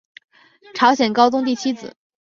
朝鲜高宗第七子。